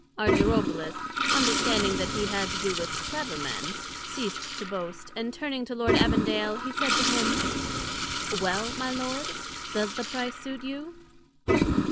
Argyropoulos, understanding that he had to do with clever men, ceased to boast, and turning to Lord Evandale, he said to him, "Well, my lord, does the price suit you?"